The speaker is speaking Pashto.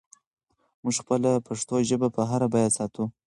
موږ خپله پښتو ژبه په هره بیه ساتو.